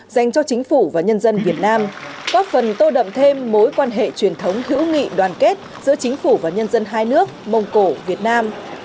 dành cho chính phủ và nhân dân việt nam góp phần tô đậm thêm mối quan hệ truyền thống hữu nghị đoàn kết giữa chính phủ và nhân dân hai nước mông cổ việt nam